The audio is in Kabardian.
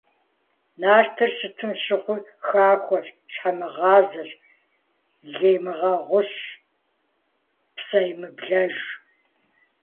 Нартыр сыт щыгъуи хахуэщ, щхьэмыгъазэщ, леймыгъэгъущ, псэемыблэжщ.